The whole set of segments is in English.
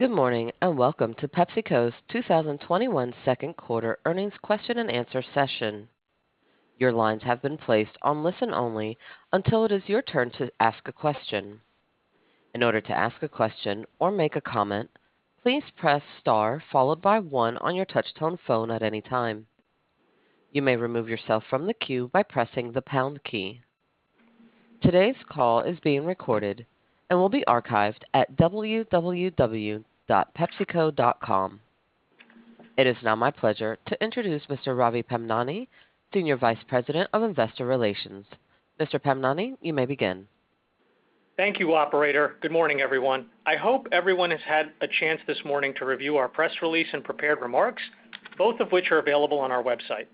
Good morning, and welcome to PepsiCo's 2021 second quarter earnings question and answer session. Your lines have been placed on listen only until its your time to ask a question. In order to ask a question or make a comment please press star followed by one on your telephone touch-tone at any time. You may remove yourself from the queue by pressing the pound key. Today's call is being recorded and will be archived at www.pepsico.com. It is now my pleasure to introduce Mr. Ravi Pamnani, Senior Vice President of Investor Relations. Mr. Pamnani, you may begin. Thank you, operator. Good morning, everyone. I hope everyone has had a chance this morning to review our press release and prepared remarks, both of which are available on our website.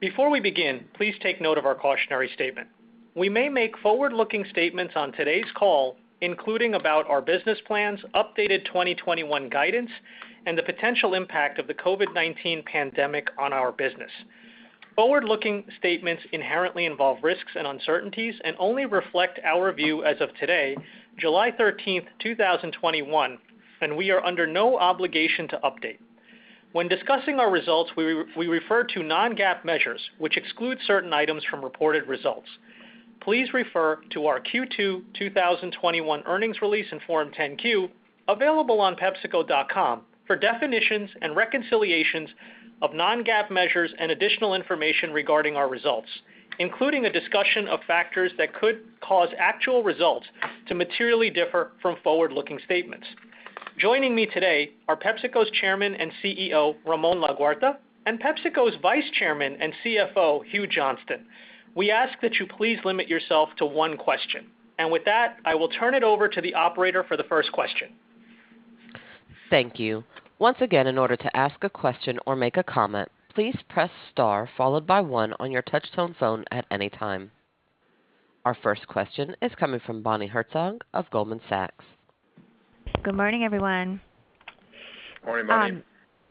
Before we begin, please take note of our cautionary statement. We may make forward-looking statements on today's call, including about our business plans, updated 2021 guidance, and the potential impact of the COVID-19 pandemic on our business. Forward-looking statements inherently involve risks and uncertainties and only reflect our view as of today, July 13th, 2021. We are under no obligation to update. When discussing our results, we refer to non-GAAP measures, which exclude certain items from reported results. Please refer to our Q2 2021 earnings release and Form 10-Q, available on pepsico.com, for definitions and reconciliations of non- GAAP measures and additional information regarding our results, including a discussion of factors that could cause actual results to materially differ from forward-looking statements. Joining me today are PepsiCo's Chairman and CEO, Ramon Laguarta, and PepsiCo's Vice Chairman and CFO, Hugh Johnston. We ask that you please limit yourself to one question. With that, I will turn it over to the operator for the first question. Thank you. Once again in order to ask a question or make a comment please press star followed by one on your telephone touch-tone at any time. Our first question is coming from Bonnie Herzog of Goldman Sachs. Good morning, everyone. Morning. Morning.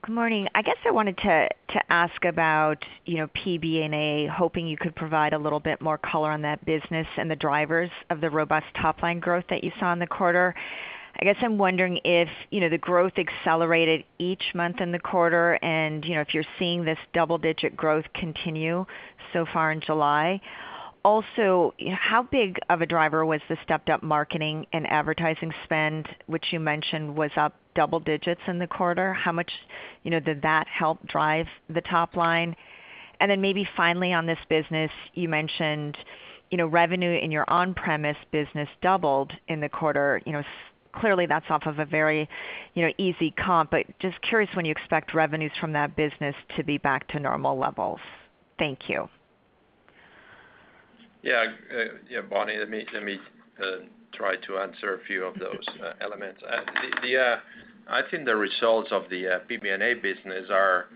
Good morning. I guess I wanted to ask about PBNA, hoping you could provide a little bit more color on that business and the drivers of the robust top-line growth that you saw in the quarter. I guess I'm wondering if the growth accelerated each month in the quarter and if you're seeing this double-digit growth continue so far in July. How big of a driver was the stepped-up marketing and advertising spend, which you mentioned was up double digits in the quarter? How much did that help drive the top line? Maybe finally on this business, you mentioned revenue in your on-premise business doubled in the quarter. Clearly, that's off of a very easy comp, but just curious when you expect revenues from that business to be back to normal levels. Thank you. Yeah. Bonnie, let me try to answer a few of those elements. I think the results of the PBNA business are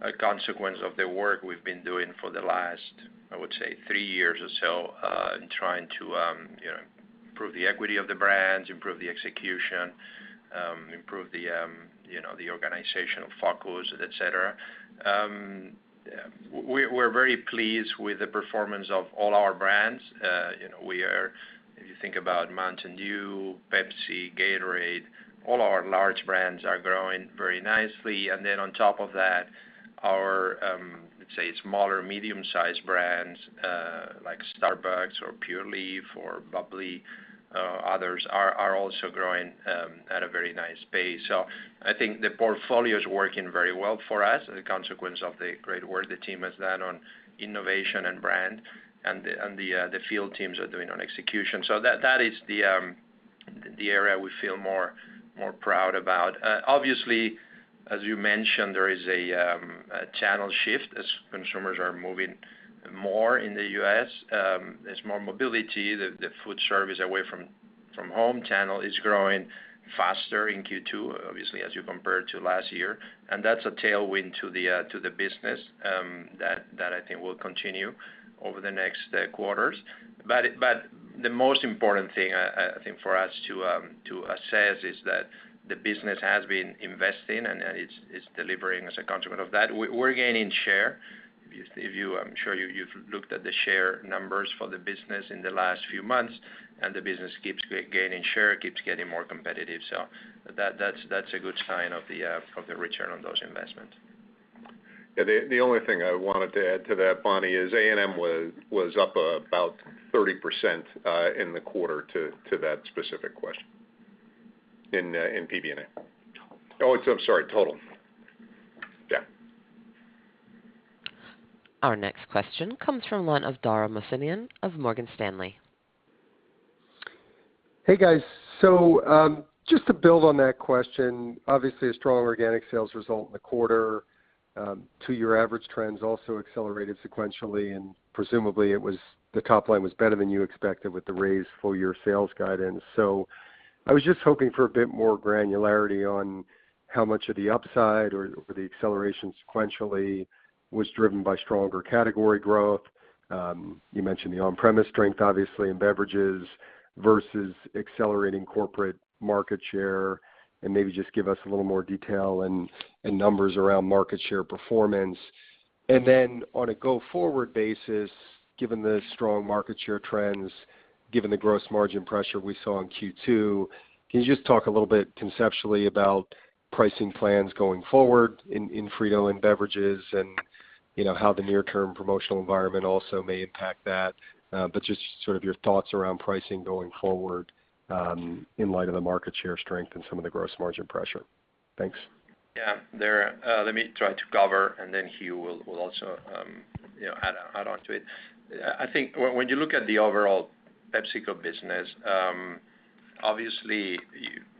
a consequence of the work we've been doing for the last, I would say, three years or so, in trying to improve the equity of the brands, improve the execution, improve the organizational focus, et cetera. We're very pleased with the performance of all our brands. If you think about Mountain Dew, Pepsi, Gatorade, all our large brands are growing very nicely. Then on top of that, our, let's say, small or medium-sized brands, like Starbucks or Pure Leaf or bubly, others, are also growing at a very nice pace. I think the portfolio is working very well for us as a consequence of the great work the team has done on innovation and brand, and the field teams are doing on execution. That is the area we feel more proud about. Obviously, as you mentioned, there is a channel shift as consumers are moving more in the U.S. There's more mobility. The food service away from home channel is growing faster in Q2, obviously, as you compare it to last year, and that's a tailwind to the business that I think will continue over the next quarters. The most important thing I think for us to assess is that the business has been investing, and it's delivering as a consequence of that. We're gaining share. I'm sure you've looked at the share numbers for the business in the last few months, and the business keeps gaining share, keeps getting more competitive. That's a good sign of the return on those investments. The only thing I wanted to add to that, Bonnie, is A&M was up about 30% in the quarter to that specific question, in PBNA. Oh, I'm sorry, total. Yeah. Our next question comes from line of Dara Mohsenian of Morgan Stanley. Hey, guys. Just to build on that question, obviously a strong organic sales result in the quarter. Two-year average trends also accelerated sequentially, and presumably, the top line was better than you expected with the raised full-year sales guidance. I was just hoping for a bit more granularity on how much of the upside or the acceleration sequentially was driven by stronger category growth. You mentioned the on-premise strength, obviously, in beverages versus accelerating corporate market share, and maybe just give us a little more detail and numbers around market share performance. Then on a go-forward basis, given the strong market share trends, given the gross margin pressure we saw in Q2, can you just talk a little bit conceptually about pricing plans going forward in Frito and beverages and how the near-term promotional environment also may impact that? Just your thoughts around pricing going forward in light of the market share strength and some of the gross margin pressure. Thanks. Let me try to cover and then Hugh will also add on to it. I think when you look at the overall PepsiCo business, obviously,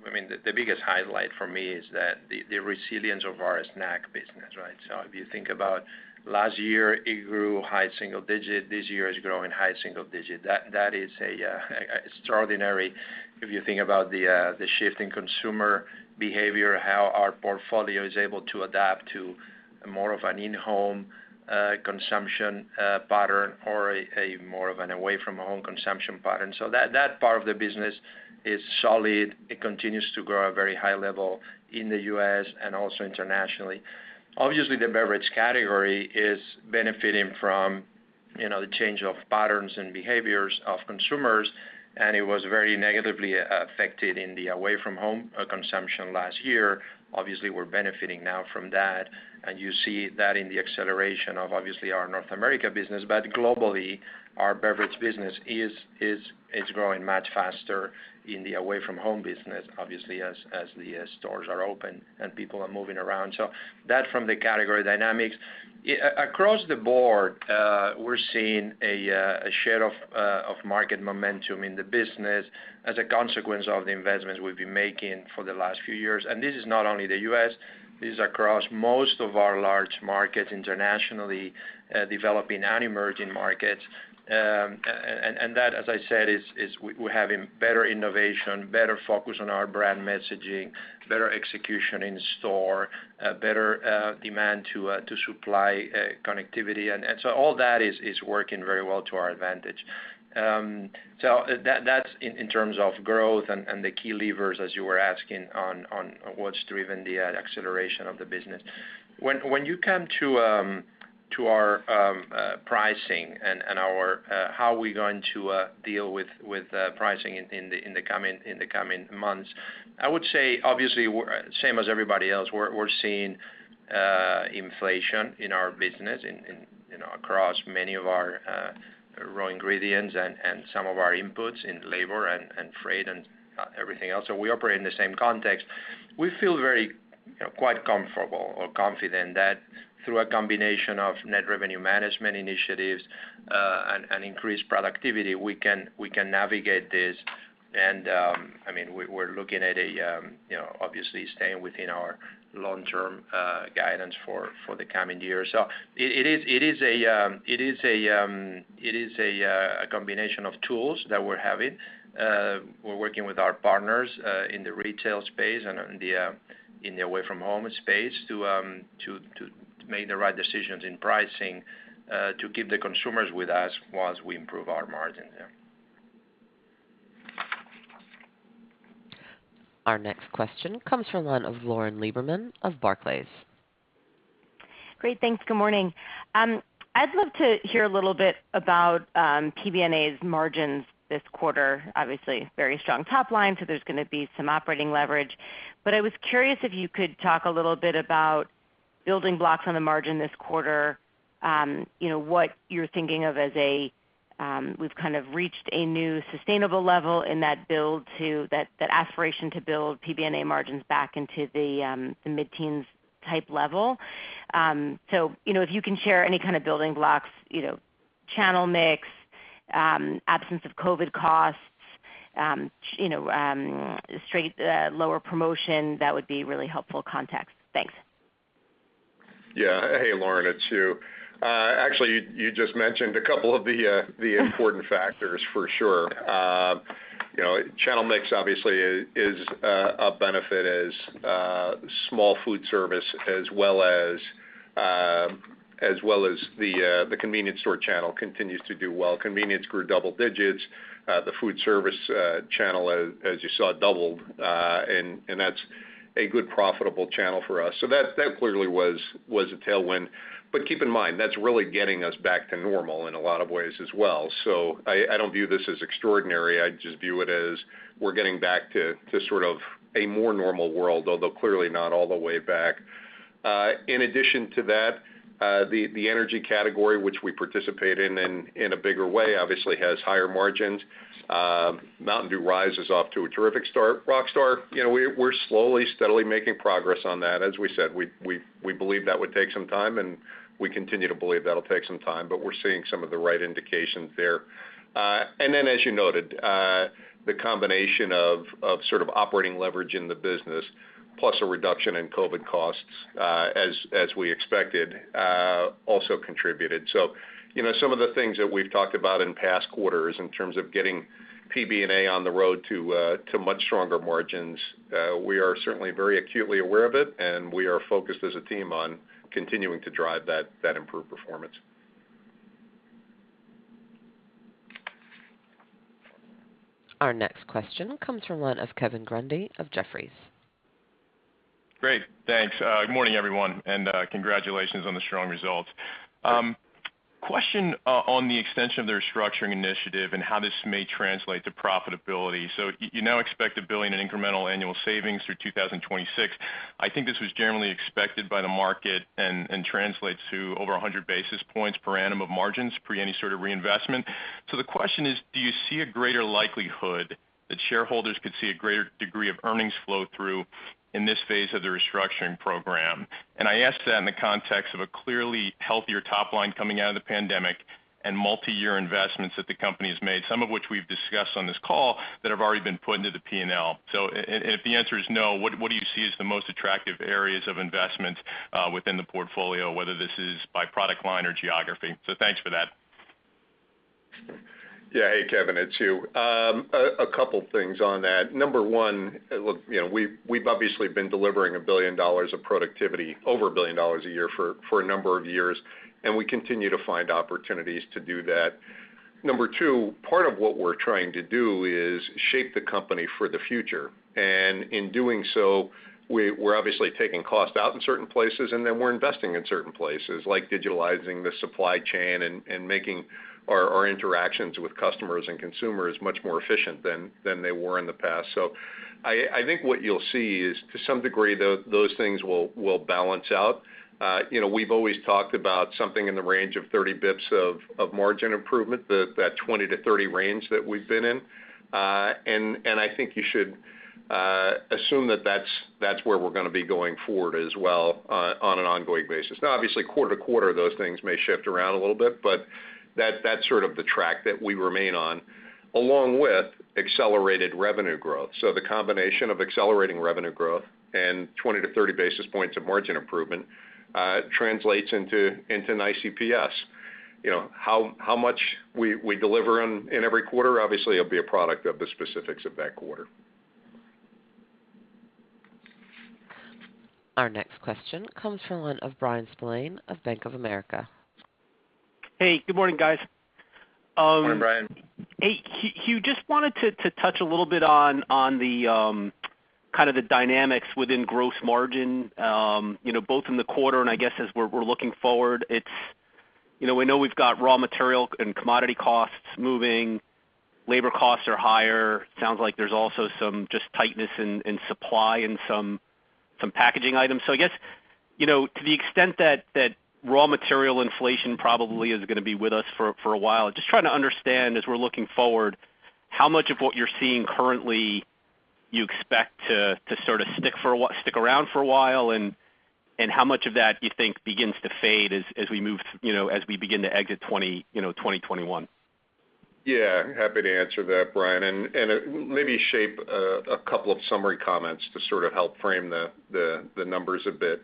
the biggest highlight for me is the resilience of our snack business. If you think about last year, it grew high single-digit. This year it's growing high single-digit. That is extraordinary if you think about the shift in consumer behavior, how our portfolio is able to adapt to more of an in-home consumption pattern or more of an away from home consumption pattern. That part of the business is solid. It continues to grow at a very high level in the U.S. and also internationally. The beverage category is benefiting from the change of patterns and behaviors of consumers, and it was very negatively affected in the away from home consumption last year. We're benefiting now from that, and you see that in the acceleration of our North America business. Globally, our beverage business is growing much faster in the away from home business, obviously, as the stores are open and people are moving around. That from the category dynamics. Across the board, we're seeing a share of market momentum in the business as a consequence of the investments we've been making for the last few years. This is not only the U.S., this is across most of our large markets internationally, developing and emerging markets. That, as I said, is we're having better innovation, better focus on our brand messaging, better execution in store, better demand to supply connectivity. All that is working very well to our advantage. That's in terms of growth and the key levers as you were asking on what's driven the acceleration of the business. When you come to our pricing and how we're going to deal with pricing in the coming months, I would say, obviously, same as everybody else, we're seeing inflation in our business and across many of our raw ingredients and some of our inputs in labor and freight and everything else. We operate in the same context. We feel very quite comfortable or confident that through a combination of net revenue management initiatives and increased productivity, we can navigate this. We're looking at obviously staying within our long-term guidance for the coming year. It is a combination of tools that we're having. We're working with our partners in the retail space and in the away from home space to make the right decisions in pricing to keep the consumers with us whilst we improve our margin there. Our next question comes from the line of Lauren Lieberman of Barclays. Great. Thanks. Good morning. I'd love to hear a little bit about PBNA's margins this quarter. Obviously very strong top line, there's going to be some operating leverage. I was curious if you could talk a little bit about building blocks on the margin this quarter, what you're thinking of as a, we've kind of reached a new sustainable level in that build to the aspiration to build PB&A margins back into the mid-teens type level. If you can share any kind of building blocks, channel mix, absence of COVID costs, lower promotion, that would be really helpful context. Thanks. Yeah. Hey, Lauren. It's Hugh. Actually, you just mentioned a couple of the important factors for sure. Channel mix obviously is a benefit as small food service as well as the convenience store channel continues to do well. Convenience grew double digits. The food service channel, as you saw, doubled. That's a good profitable channel for us. That clearly was a tailwind. Keep in mind, that's really getting us back to normal in a lot of ways as well. I don't view this as extraordinary. I just view it as we're getting back to sort of a more normal world, although clearly not all the way back. In addition to that, the energy category, which we participate in a bigger way, obviously has higher margins. Mountain Dew Rise is off to a terrific start. Rockstar, we're slowly, steadily making progress on that. As we said, we believe that would take some time, and we continue to believe that'll take some time, but we're seeing some of the right indications there. As you noted, the combination of sort of operating leverage in the business plus a reduction in COVID costs, as we expected, also contributed. Some of the things that we've talked about in past quarters in terms of getting PB&A on the road to much stronger margins, we are certainly very acutely aware of it, and we are focused as a team on continuing to drive that improved performance. Our next question comes from one of Kevin Grundy of Jefferies. Great. Thanks. Good morning, everyone, and congratulations on the strong results. Great. Question on the extension of the restructuring initiative and how this may translate to profitability. You now expect $1 billion in incremental annual savings through 2026. I think this was generally expected by the market and translates to over 100 basis points per annum of margins pre any sort of reinvestment. The question is, do you see a greater likelihood that shareholders could see a greater degree of earnings flow through in this phase of the restructuring program? I ask that in the context of a clearly healthier top line coming out of the pandemic and multi-year investments that the company's made, some of which we've discussed on this call, that have already been put into the P&L. If the answer is no, what do you see as the most attractive areas of investment within the portfolio, whether this is by product line or geography? Thanks for that. Yeah. Hey, Kevin. It's Hugh. A couple of things on that. Number one, look, we've obviously been delivering $1 billion of productivity, over $1 billion a year for a number of years. We continue to find opportunities to do that. Number two, part of what we're trying to do is shape the company for the future. In doing so, we're obviously taking cost out in certain places. Then we're investing in certain places, like digitalizing the supply chain and making our interactions with customers and consumers much more efficient than they were in the past. I think what you'll see is to some degree, those things will balance out. We've always talked about something in the range of 30 basis points of margin improvement, that 20-30 range that we've been in. I think you should assume that that's where we're going to be going forward as well on an ongoing basis. Obviously, quarter to quarter, those things may shift around a little bit, but that's sort of the track that we remain on, along with accelerated revenue growth. The combination of accelerating revenue growth and 20 to 30 basis points of margin improvement translates into nice EPS. How much we deliver in every quarter, obviously, will be a product of the specifics of that quarter. Our next question comes from one of Bryan Spillane of Bank of America. Hey, good morning, guys. Morning, Bryan. Hey, Hugh, just wanted to touch a little bit on the kind of the dynamics within gross margin, both in the quarter and I guess as we're looking forward. We know we've got raw material and commodity costs moving, labor costs are higher. Sounds like there's also some just tightness in supply and some packaging items. I guess to the extent that raw material inflation probably is going to be with us for a while, just trying to understand as we're looking forward, how much of what you're seeing currently you expect to sort of stick around for a while, and how much of that do you think begins to fade as we begin to exit 2021? Yeah, happy to answer that, Bryan, and maybe shape a couple of summary comments to sort of help frame the numbers a bit.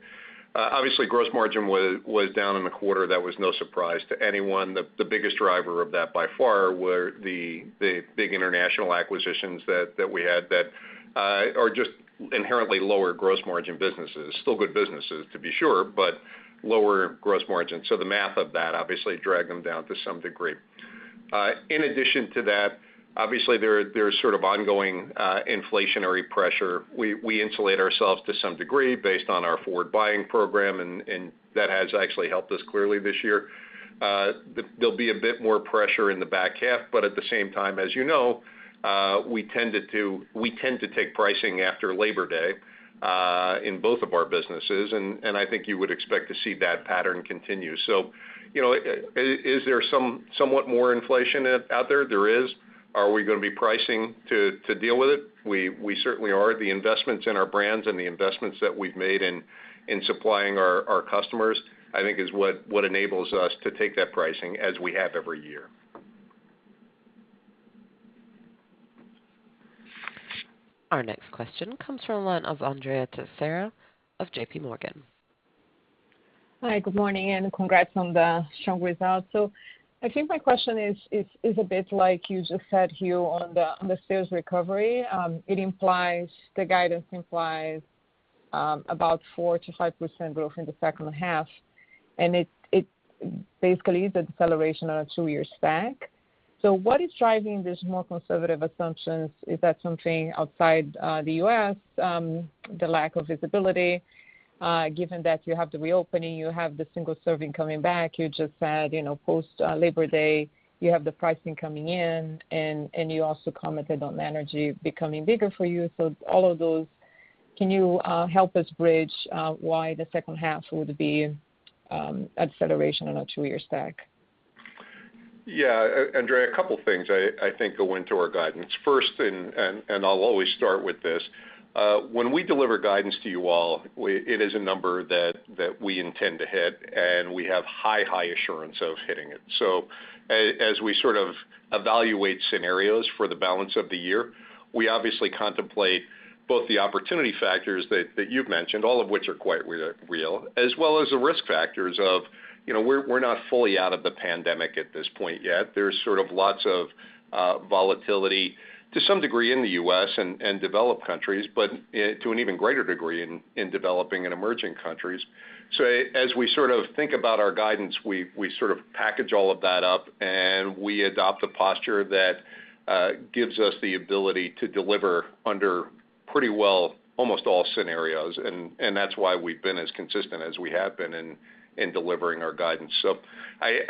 Obviously, gross margin was down in the quarter. That was no surprise to anyone. The biggest driver of that by far were the big international acquisitions that we had that are just inherently lower gross margin businesses. Still good businesses, to be sure, lower gross margin. The math of that obviously dragged them down to some degree. In addition to that, obviously, there's sort of ongoing inflationary pressure. We insulate ourselves to some degree based on our forward buying program, and that has actually helped us clearly this year. There'll be a bit more pressure in the back half, but at the same time, as you know, we tend to take pricing after Labor Day in both of our businesses, and I think you would expect to see that pattern continue. Is there somewhat more inflation out there? There is. Are we going to be pricing to deal with it? We certainly are. The investments in our brands and the investments that we've made in supplying our customers, I think is what enables us to take that pricing as we have every year. Our next question comes from one of Andrea Teixeira of JP Morgan. Hi, good morning, and congrats on the strong results. I think my question is a bit like you just said, Hugh, on the sales recovery. The guidance implies about 4% to 5% growth in the second half, and it basically is a deceleration on a two-year stack. What is driving these more conservative assumptions? Is that something outside the U.S., the lack of visibility? Given that you have the reopening, you have the single serving coming back, you just said post-Labor Day, you have the pricing coming in, and you also commented on energy becoming bigger for you. All of those, can you help us bridge why the second half would be an acceleration on a 2-year stack? Yeah. Andrea, a couple of things I think go into our guidance. First, I'll always start with this. When we deliver guidance to you all, it is a number that we intend to hit, and we have high assurance of hitting it. As we sort of evaluate scenarios for the balance of the year, we obviously contemplate both the opportunity factors that you've mentioned, all of which are quite real, as well as the risk factors of we're not fully out of the pandemic at this point yet. There's sort of lots of volatility to some degree in the U.S. and developed countries, to an even greater degree in developing and emerging countries. As we sort of think about our guidance, we sort of package all of that up and we adopt a posture that gives us the ability to deliver under pretty well almost all scenarios, and that's why we've been as consistent as we have been in delivering our guidance. I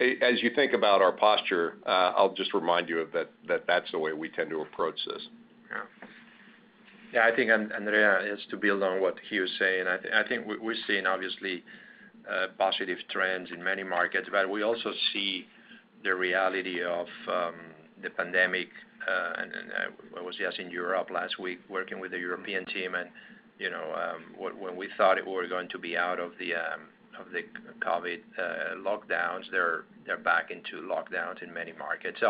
think as you think about our posture, I'll just remind you that that's the way we tend to approach this. Yeah. I think, Andrea, just to build on what Hugh's saying, I think we're seeing obviously positive trends in many markets, but we also see the reality of the pandemic. I was just in Europe last week working with the European team, and when we thought we were going to be out of the COVID lockdowns, they're back into lockdowns in many markets.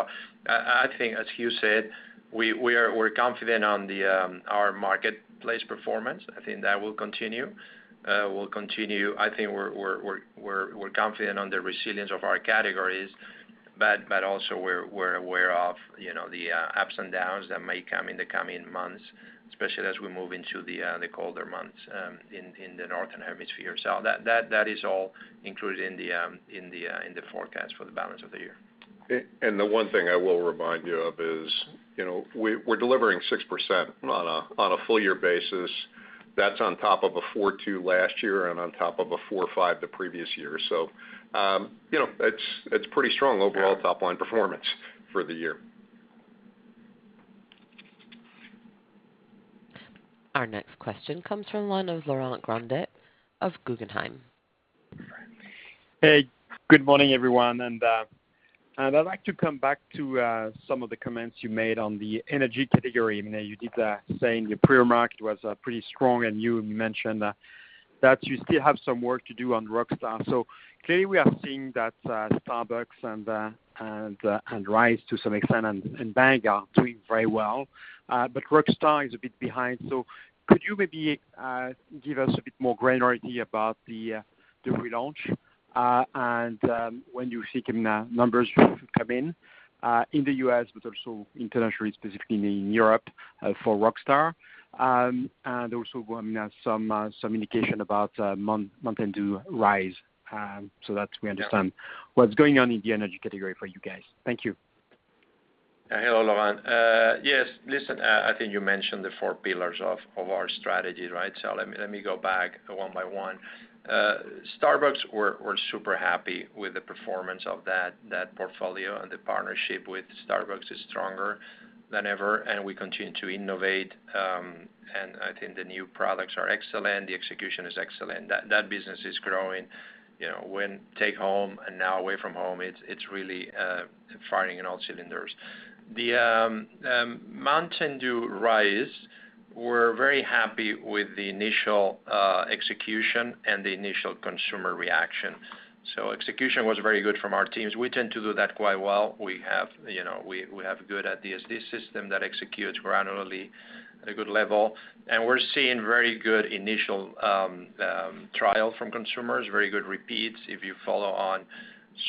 I think as Hugh said, we're confident on our marketplace performance. I think that will continue. I think we're confident on the resilience of our categories, but also we're aware of the ups and downs that may come in the coming months, especially as we move into the colder months in the northern hemisphere. That is all included in the forecast for the balance of the year. The one thing I will remind you of is we're delivering 6% on a full year basis. That's on top of a 4.2% last year and on top of a 4.5% the previous year. It's pretty strong overall top-line performance for the year. Our next question comes from line of Laurent Grandet of Guggenheim. Good morning, everyone. I'd like to come back to some of the comments you made on the energy category. You did say the pre-market was pretty strong, and Hugh mentioned that you still have some work to do on Rockstar. Clearly we are seeing that Starbucks and Rise to some extent and Bang are doing very well. Rockstar is a bit behind. Could you maybe give us a bit more granular idea about the relaunch? When you're thinking the numbers come in in the U.S., but also internationally, specifically in Europe, for Rockstar. Also some indication about Mountain Dew Rise so that we understand what's going on in the energy category for you guys. Thank you. Laurent. Yes, listen, I think you mentioned the four pillars of our strategy, right? Let me go back one by one. Starbucks, we're super happy with the performance of that portfolio and the partnership with Starbucks is stronger than ever, and we continue to innovate. I think the new products are excellent. The execution is excellent. That business is growing. When take home and now away from home, it's really firing on all cylinders. The Mtn Dew Rise Energy, we're very happy with the initial execution and the initial consumer reaction. Execution was very good from our teams. We tend to do that quite well. We have a good DSD system that executes granularly at a good level, and we're seeing very good initial trial from consumers. Very good repeats. If you follow on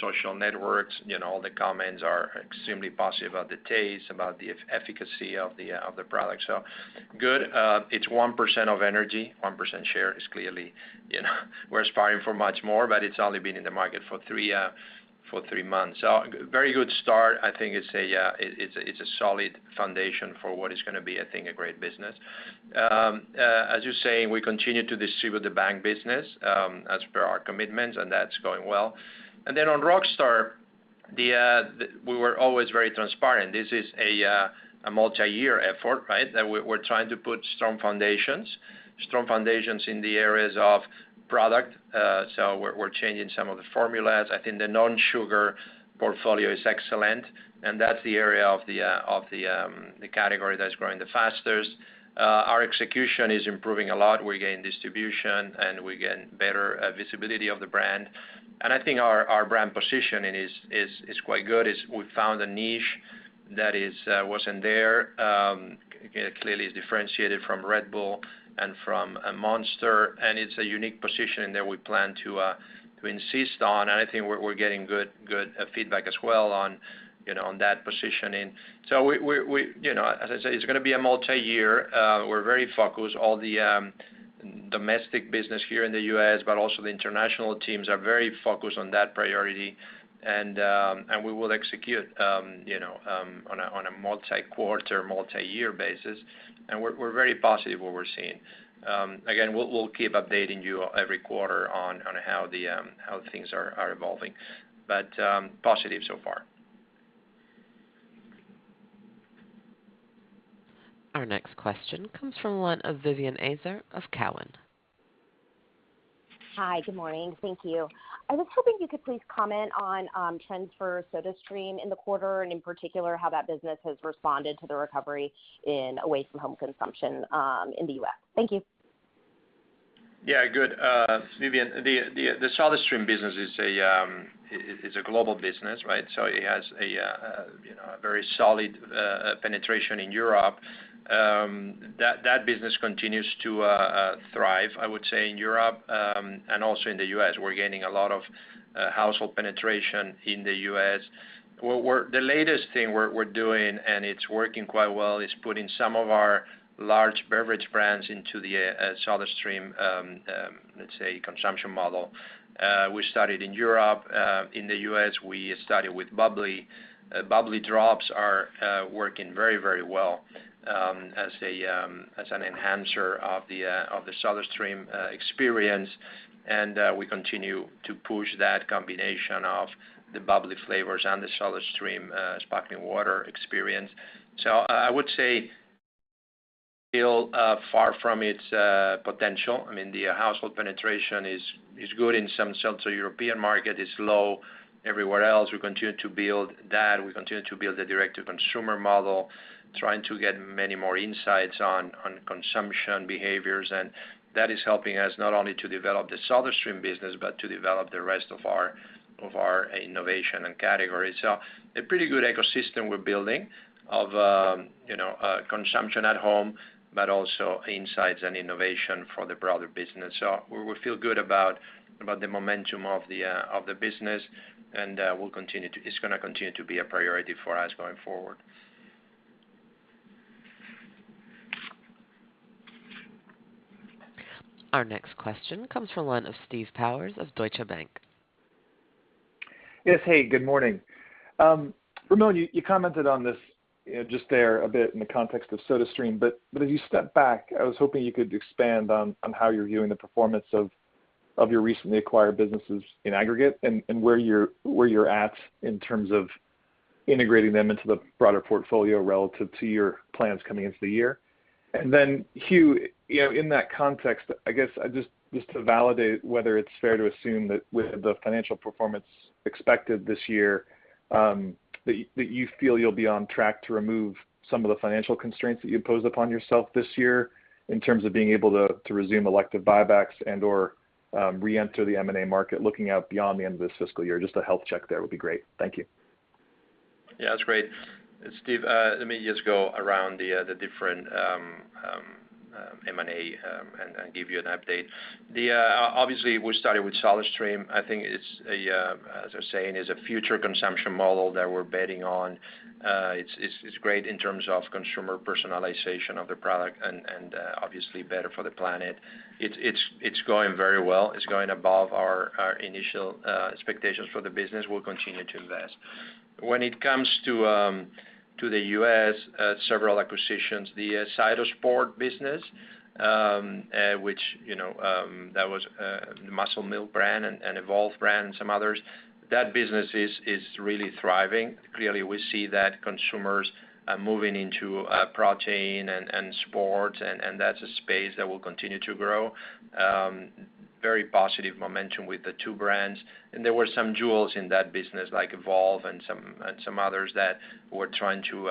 social networks, all the comments are extremely positive about the taste, about the efficacy of the product. Good. It's 1% of energy, 1% share is clearly we're aspiring for much more. It's only been in the market for 3 months. Very good start, I think it's a solid foundation for what is going to be, I think, a great business. As you say, we continue to distribute the Bang business, as per our commitment. That's going well. On Rockstar, we were always very transparent. This is a multi-year effort, right? We're trying to put strong foundations in the areas of product. We're changing some of the formulas. I think the non-sugar portfolio is excellent. That's the area of the category that's growing the fastest. Our execution is improving a lot. We gain distribution. We gain better visibility of the brand. I think our brand positioning is quite good, is we found a niche that wasn't there. Clearly differentiated from Red Bull and from Monster, it's a unique positioning that we plan to insist on. I think we're getting good feedback as well on that positioning. As I say, it's going to be a multi-year. We're very focused. All the domestic business here in the U.S., but also the international teams are very focused on that priority. We will execute on a multi-quarter, multi-year basis. We're very positive what we're seeing. Again, we'll keep updating you every quarter on how things are evolving. Positive so far. Our next question comes from one of Vivien Azer of Cowen. Hi, good morning. Thank you. I was hoping you could please comment on trends for SodaStream in the quarter and in particular how that business has responded to the recovery in away from home consumption in the U.S. Thank you. Yeah, good. Vivien, the SodaStream business is a global business, right? It has a very solid penetration in Europe. That business continues to thrive, I would say, in Europe, and also in the U.S. We're gaining a lot of household penetration in the U.S. Well, the latest thing we're doing, and it's working quite well, is putting some of our large beverage brands into the SodaStream, let's say consumption model. We started in Europe. In the U.S., we started with bubly. bubly drops are working very well as an enhancer of the SodaStream experience. We continue to push that combination of the bubly flavors and the SodaStream sparkling water experience. I would say still far from its potential. The household penetration is good in some central European market. It's low everywhere else. We continue to build that. We continue to build the direct-to-consumer model, trying to get many more insights on consumption behaviors. That is helping us not only to develop the SodaStream business but to develop the rest of our innovation and category. A pretty good ecosystem we're building of consumption at home, but also insights and innovation for the broader business. We feel good about the momentum of the business, and it's going to continue to be a priority for us going forward. Our next question comes from one of Steve Powers of Deutsche Bank. Yes. Hey, good morning. Ramon, you commented on this just there a bit in the context of SodaStream. As you step back, I was hoping you could expand on how you're viewing the performance of your recently acquired businesses in aggregate and where you're at in terms of integrating them into the broader portfolio relative to your plans coming into the year. Hugh, in that context, I guess just to validate whether it's fair to assume that with the financial performance expected this year, that you feel you'll be on track to remove some of the financial constraints that you imposed upon yourself this year in terms of being able to resume elective buybacks and/or re-enter the M&A market looking out beyond the end of the fiscal year. Just a health check there would be great. Thank you. Yeah. That's great. Steve, let me just go around the different M&A and give you an update. Obviously, we started with SodaStream. I think it's, as I was saying, is a future consumption model that we're betting on. It's great in terms of consumer personalization of the product and obviously better for the planet. It's going very well. It's going above our initial expectations for the business. We'll continue to invest. When it comes to the U.S., several acquisitions, the CytoSport business, that was a Muscle Milk brand, an Evolve brand, and some others. That business is really thriving. Clearly, we see that consumers are moving into protein and sports, and that's a space that will continue to grow. Very positive momentum with the two brands. There were some jewels in that business, like Evolve and some others that we're trying to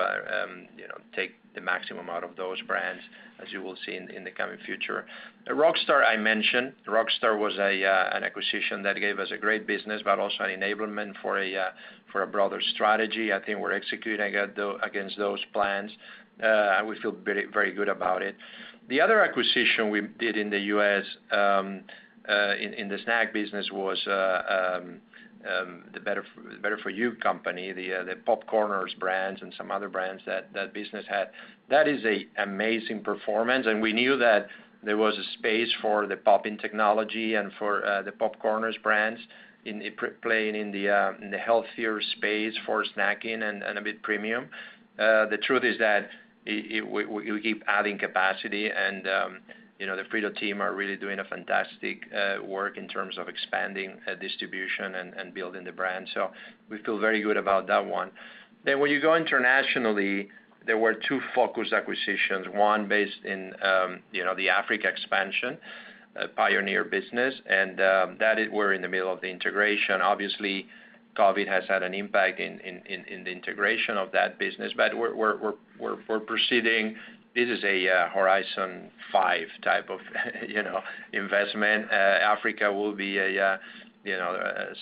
take the maximum out of those brands, as you will see in the coming future. The Rockstar I mentioned. Rockstar was an acquisition that gave us a great business, but also enablement for a broader strategy. I think we're executing against those plans, and we feel very good about it. The other acquisition we did in the U.S. in the snack business was the Better For You company, the PopCorners brands and some other brands that that business had. That is a amazing performance, and we knew that there was a space for the popping technology and for the PopCorners brands playing in the healthier space for snacking and a bit premium. The truth is that we keep adding capacity, and the Frito team are really doing a fantastic work in terms of expanding distribution and building the brand. When you go internationally, there were two focus acquisitions, one based in the Africa expansion, Pioneer business, and that we're in the middle of the integration. Obviously, COVID has had an impact in the integration of that business. We're proceeding. This is a horizon five type of investment. Africa will be a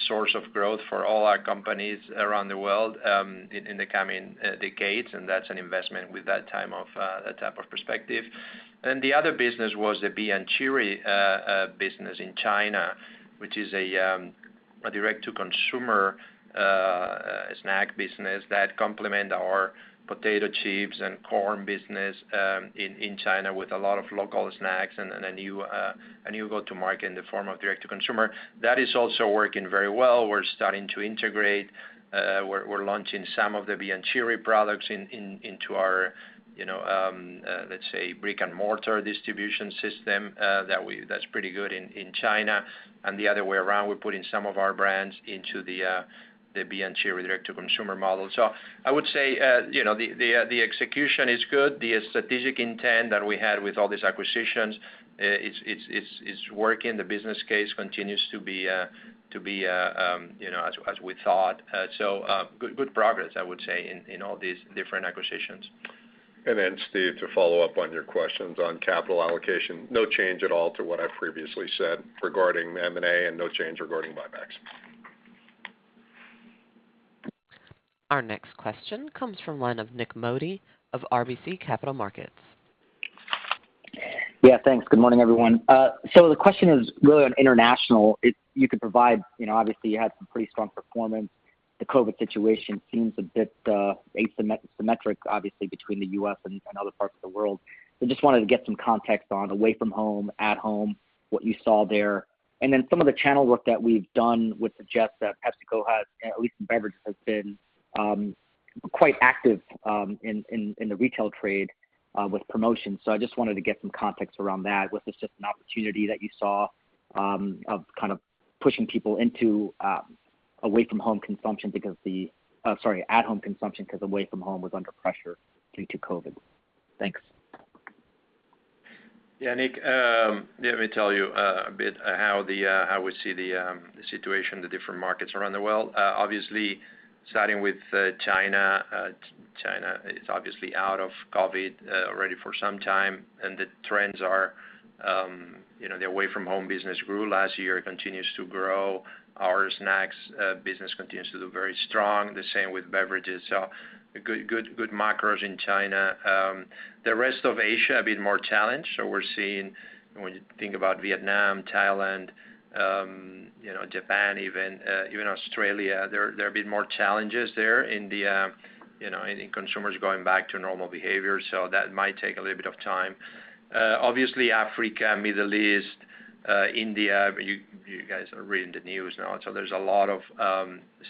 source of growth for all our companies around the world in the coming decades. That's an investment with that type of perspective. The other business was the Be & Cheery business in China, which is a direct-to-consumer snack business that complement our potato chips and corn business in China with a lot of local snacks and a new go-to-market in the form of direct-to-consumer. That is also working very well. We're starting to integrate. We're launching some of the Be & Cheery products into our let's say brick and mortar distribution system. That's pretty good in China. The other way around, we're putting some of our brands into the Be & Cheery direct-to-consumer model. I would say the execution is good. The strategic intent that we had with all these acquisitions, it's working. The business case continues to be as we thought. Good progress, I would say, in all these different acquisitions. Steve, to follow up on your questions on capital allocation, no change at all to what I previously said regarding M&A and no change regarding buybacks. Our next question comes from Nik Modi of RBC Capital Markets. Thanks. Good morning, everyone. The question is really on international, if you could provide, obviously, you had some pretty strong performance. The COVID situation seems a bit asymmetric, obviously, between the U.S. and other parts of the world. I just wanted to get some context on away from home, at home, what you saw there, and then some of the channel work that we've done with the levers that PepsiCo has, at least in beverages, has been quite active in the retail trade with promotion. I just wanted to get some context around that. Was this just an opportunity that you saw of kind of pushing people into at-home consumption because away from home was under pressure due to COVID? Thanks. Yeah, Nik, let me tell you a bit how we see the situation in the different markets around the world. Starting with China. China is obviously out of COVID already for some time, and the trends are the away from home business grew last year, continues to grow. Our snacks business continues to do very strong, the same with beverages. Good macros in China. The rest of Asia, a bit more challenged. We're seeing when you think about Vietnam, Thailand, Japan, even Australia, there have been more challenges there in consumers going back to normal behavior. That might take a little bit of time. Africa, Middle East, India, you guys are reading the news now, there's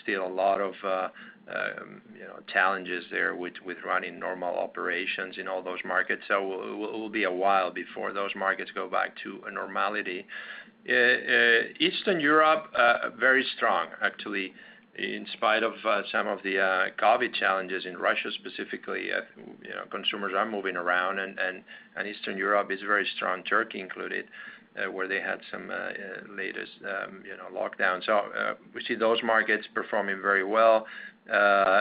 still a lot of challenges there with running normal operations in all those markets. It will be a while before those markets go back to normality. Eastern Europe, very strong, actually, in spite of some of the COVID challenges in Russia specifically, consumers are moving around, and Eastern Europe is very strong, Turkey included, where they had some latest lockdowns. We see those markets performing very well.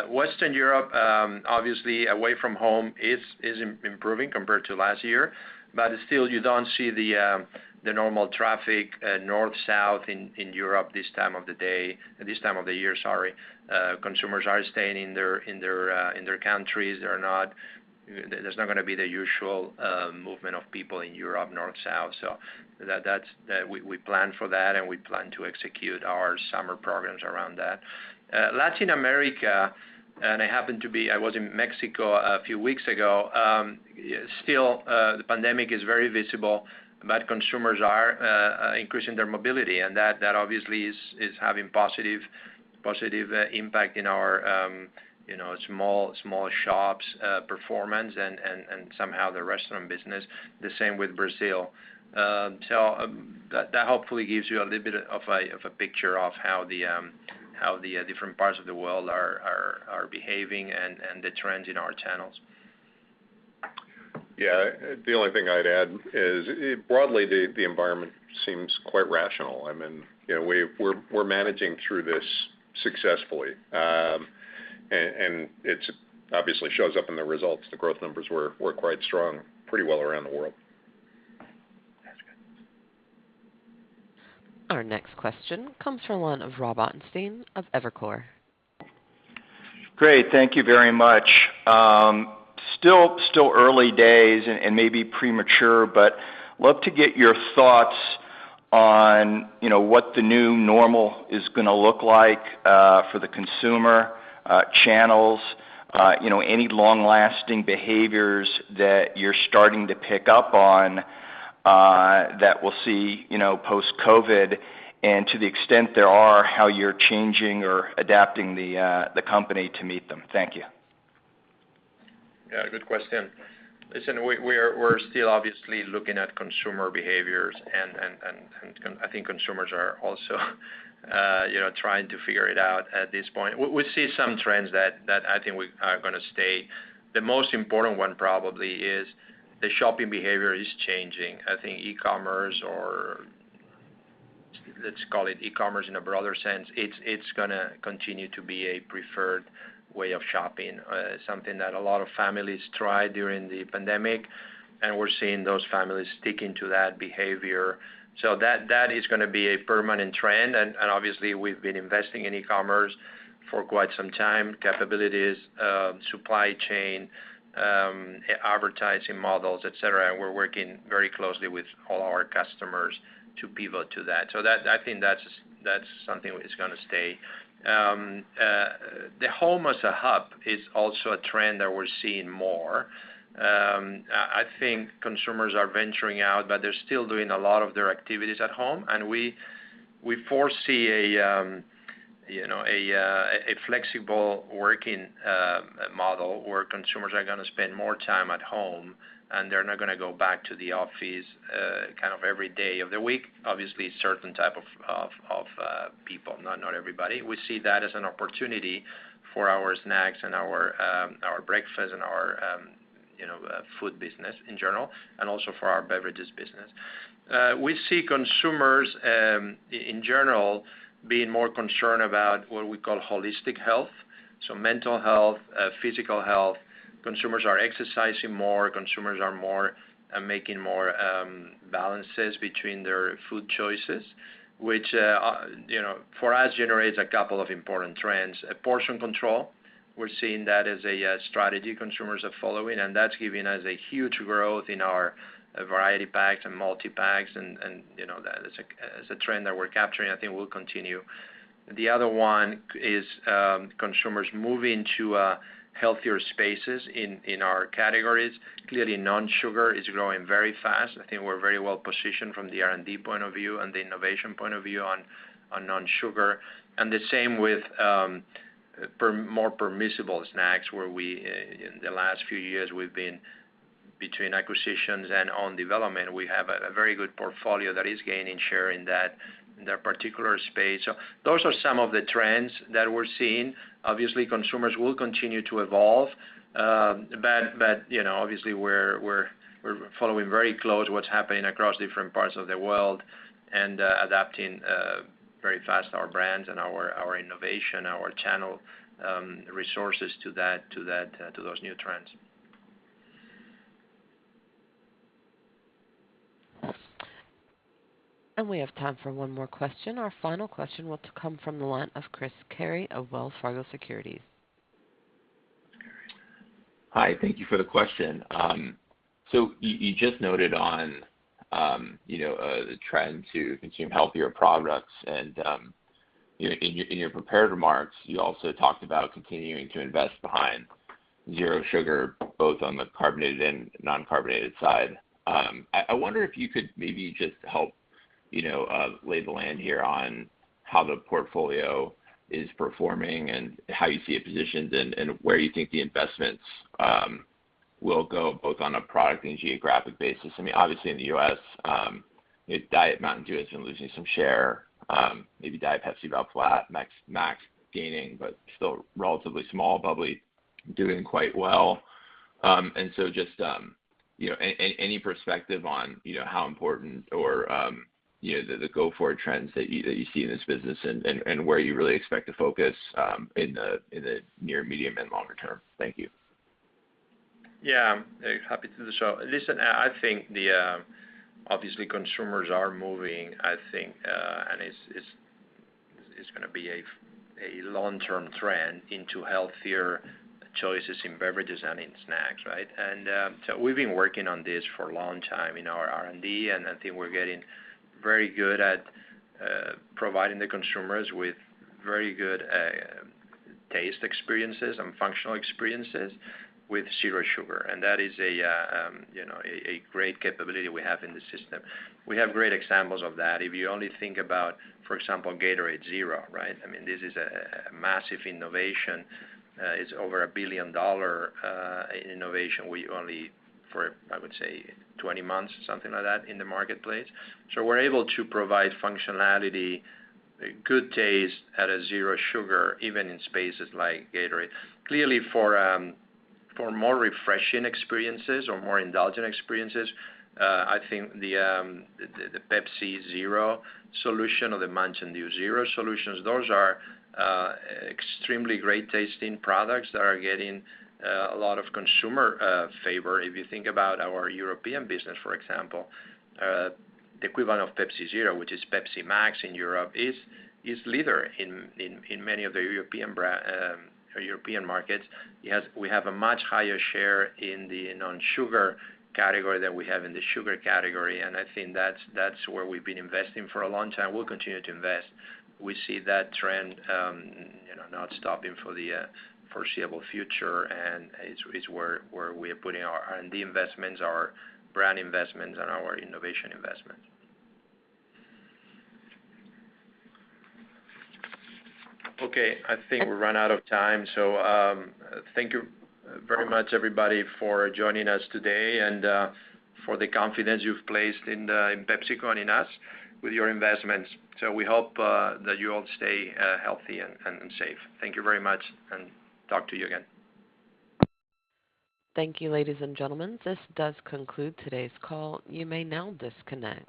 Western Europe, obviously away from home is improving compared to last year, but still you don't see the normal traffic north-south in Europe this time of the year. Consumers are staying in their countries. There's not going to be the usual movement of people in Europe north-south. We plan for that, and we plan to execute our summer programs around that. Latin America, and I was in Mexico a few weeks ago, still the pandemic is very visible, but consumers are increasing their mobility, and that obviously is having positive impact in our small shops performance and somehow the restaurant business, the same with Brazil. That hopefully gives you a little bit of a picture of how the different parts of the world are behaving and the trends in our channels. The only thing I'd add is broadly, the environment seems quite rational, and we're managing through this successfully. It obviously shows up in the results. The growth numbers were quite strong pretty well around the world. That's good. Our next question comes from the line of Rob Fein of Evercore. Great. Thank you very much. Still early days and may be premature, but love to get your thoughts on what the new normal is going to look like for the consumer channels, any long-lasting behaviors that you're starting to pick up on that we'll see post-COVID, and to the extent there are, how you're changing or adapting the company to meet them. Thank you. Good question. Listen, we're still obviously looking at consumer behaviors, and I think consumers are also trying to figure it out at this point. We see some trends that I think are going to stay. The most important one probably is the shopping behavior is changing. I think e-commerce, or let's call it e-commerce in a broader sense, it's going to continue to be a preferred way of shopping. Something that a lot of families tried during the pandemic, and we're seeing those families sticking to that behavior. That is going to be a permanent trend, and obviously, we've been investing in e-commerce for quite some time, capabilities, supply chain, advertising models, et cetera, and we're working very closely with all our customers to pivot to that. I think that's something that's going to stay. The home as a hub is also a trend that we're seeing more. I think consumers are venturing out, but they're still doing a lot of their activities at home, and we foresee a flexible working model where consumers are going to spend more time at home, and they're not going to go back to the office kind of every day of the week. Obviously, a certain type of people, not everybody. We see that as an opportunity for our snacks and our breakfast and our food business in general, and also for our beverages business. We see consumers, in general, being more concerned about what we call holistic health. Mental health, physical health. Consumers are exercising more. Consumers are making more balances between their food choices, which for us generates a couple of important trends. Portion control, we're seeing that as a strategy consumers are following, and that's giving us a huge growth in our variety packs and multi-packs, and that is a trend that we're capturing. I think it will continue. The other one is consumers moving to healthier spaces in our categories. Clearly, non-sugar is growing very fast. I think we're very well-positioned from the R&D point of view and the innovation point of view on non-sugar. The same with more permissible snacks, where in the last few years, between acquisitions and own development, we have a very good portfolio that is gaining share in that particular space. Those are some of the trends that we're seeing. Obviously, consumers will continue to evolve. Obviously, we're following very close what's happening across different parts of the world and adapting very fast our brands and our innovation, our channel resources to those new trends. We have time for 1 more question. Our final question will come from the line of Chris Carey of Wells Fargo Securities. Hi. Thank you for the question. You just noted on the trend to consume healthier products and in your prepared remarks, you also talked about continuing to invest behind zero sugar, both on the carbonated and non-carbonated side. I wonder if you could maybe just help lay the land here on how the portfolio is performing and how you see it positioned and where you think the investments will go, both on a product and geographic basis. Obviously in the U.S., Diet Mountain Dew is losing some share. Maybe Diet Pepsi about flat. Max gaining, but still relatively small, probably doing quite well. Just any perspective on how important or the go-forward trends that you see in this business and where you really expect to focus in the near, medium, and longer term? Thank you. Yeah. Happy to. Listen, I think obviously consumers are moving, and it's going to be a long-term trend into healthier choices in beverages and in snacks, right? We've been working on this for a long time in our R&D, and I think we're getting very good at providing the consumers with very good taste experiences and functional experiences with zero sugar. That is a great capability we have in the system. We have great examples of that. If you only think about, for example, Gatorade Zero, right? This is a massive innovation. It's over a billion-dollar innovation. We only for, I would say, 20 months, something like that, in the marketplace. We're able to provide functionality, good taste at a zero sugar, even in spaces like Gatorade. Clearly for more refreshing experiences or more indulgent experiences, I think the Pepsi Zero Sugar solution or the Mountain Dew Zero Sugar solutions, those are extremely great-tasting products that are getting a lot of consumer favor. If you think about our European business, for example, the equivalent of Pepsi Zero Sugar, which is Pepsi Max in Europe, is leader in many of the European markets. Yet we have a much higher share in the non-sugar category than we have in the sugar category, and I think that's where we've been investing for a long time. We'll continue to invest. We see that trend not stopping for the foreseeable future, and it's where we are putting our R&D investments, our brand investments, and our innovation investment. Okay. I think we've run out of time. Thank you very much, everybody, for joining us today and for the confidence you've placed in PepsiCo and in us with your investments. We hope that you all stay healthy and safe. Thank you very much, and talk to you again. Thank you, ladies and gentlemen. This does conclude today's call. You may now disconnect.